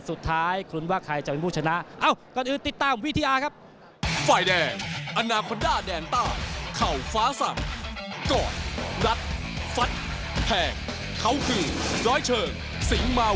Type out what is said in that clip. สุดท้ายคุณทวงใคนว่าใครจะเป็นผู้ชนะ